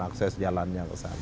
akses jalannya ke sana